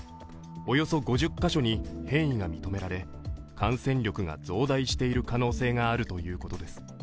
およそ５０カ所に変異が認められ、感染力が増大している可能性があるということです。